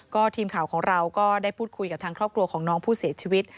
ทีมข่าวของเราก็ได้พูดคุยกับทางครอบครัวของน้องผู้เสียชีวิต